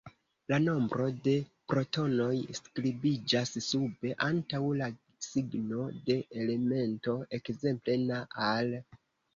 La nombro de protonoj skribiĝas sube antaŭ la signo de elemento, ekzemple: Na, Al.